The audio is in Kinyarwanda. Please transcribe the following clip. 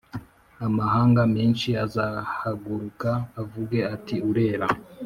amahanga menshi azahaguruka avuge ati urera